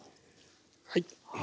はい。